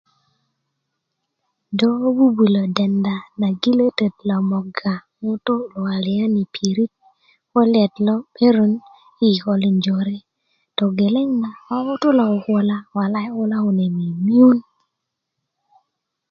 do bubulö denda na gilötöt lo moga ŋutu luwaliyan i pirit kulayet lo 'berön i kikölin jöre togeleŋ na ko ŋutu lo kukula walai kula kune mimiyun